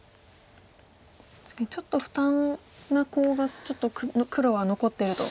確かにちょっと負担なコウが黒は残ってると。